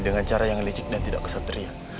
dengan cara yang licik dan tidak kesatria